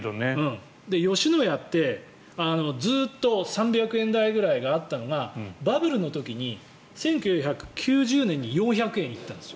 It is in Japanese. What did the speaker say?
吉野家ってずっと３００円台ぐらいがあったのがバブルの時に１９９０年に４００円いったんです。